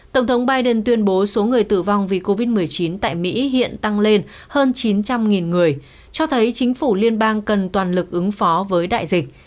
tổng thống biden tuyên bố số người tử vong vì covid một mươi chín tại mỹ hiện tăng lên hơn chín trăm linh người cho thấy chính phủ liên bang cần toàn lực ứng phó với đại dịch